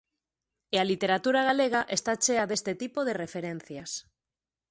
E a literatura galega está chea deste tipo de referencias.